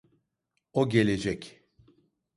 O gelecek.